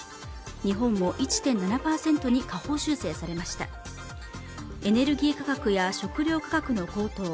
日本も１．７％に下方修正されましたエネルギー価格や食料価格の高騰